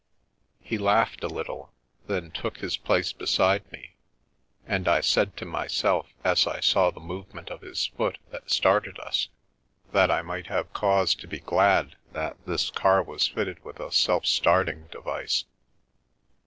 He laughed a little, then took his place beside me, and I said to myself, as I saw the movement of his foot that started us, that I might have cause to be glad that this car was fitted with a self starting device.